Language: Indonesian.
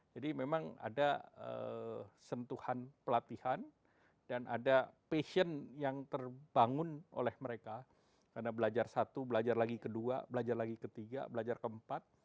jadi memang ada sentuhan pelatihan dan ada passion yang terbangun oleh mereka karena belajar satu belajar lagi kedua belajar lagi ketiga belajar keempat